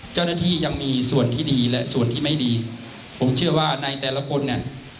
เจ้าหน้าที่ยังมีส่วนที่ดีและส่วนที่ไม่ดีผมเชื่อว่าในแต่ละคนเนี่ย